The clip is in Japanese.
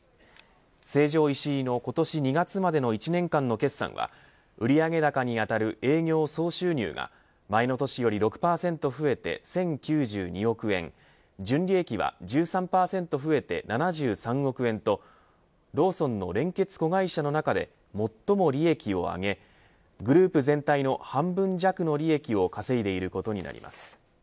成城石井の今年２月までの１年間の決算は売上高にあたる営業総収入が前の年より６％増えて１０９２億円純利益は１３％増えて７３億円とローソンの連結子会社の中で最も利益を上げグループ全体の半分弱の利益を稼いでいることになります。